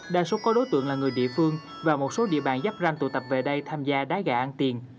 đa số có đối tượng là người địa phương và một số địa bàn giáp ranh tụ tập về đây tham gia đá gà ăn tiền